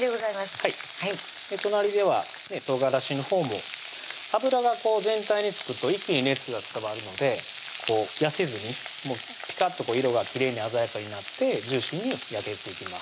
はい隣では唐辛子のほうも油が全体に付くと一気に熱が伝わるので痩せずにピカッと色がきれいに鮮やかになってジューシーに焼けていきます